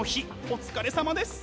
お疲れさまです！